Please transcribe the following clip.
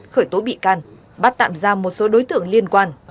khởi tố bị can bắt tạm ra một số đối tượng liên quan